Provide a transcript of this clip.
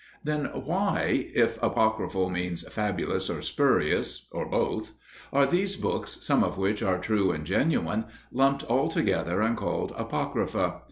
Then why, if apocryphal means fabulous or spurious, or both, are these books, some of which are true and genuine, lumped all together and called "Apocrypha"?